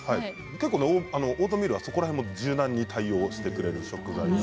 結構ねあのオートミールはそこら辺も柔軟に対応してくれる食材なんで。